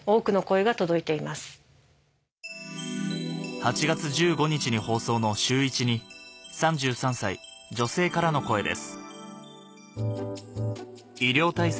８月１５日に放送の『シューイチ』に３３歳女性からの声です